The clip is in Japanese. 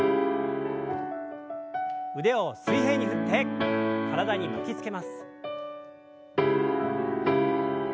腕を水平に振って体に巻きつけます。